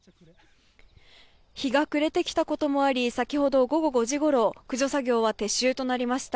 日が暮れてきたこともあり先ほど午後５時ごろ駆除作業は撤収となりました。